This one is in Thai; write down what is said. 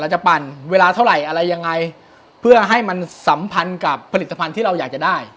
จะปั่นเวลาเท่าไหร่อะไรยังไงเพื่อให้มันสัมพันธ์กับผลิตภัณฑ์ที่เราอยากจะได้